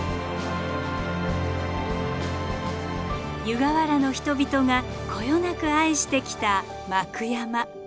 湯河原の人々がこよなく愛してきた幕山。